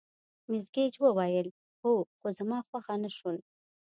مس ګېج وویل: هو، خو زما خوښه نه شول.